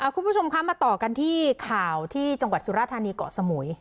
คุณผู้ชมคะมาต่อกันที่ข่าวที่จังหวัดสุราธานีเกาะสมุย